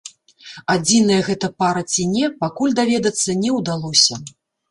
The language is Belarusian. Адзіная гэта пара ці не, пакуль даведацца не ўдалося.